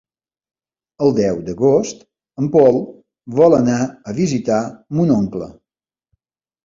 El deu d'agost en Pol vol anar a visitar mon oncle.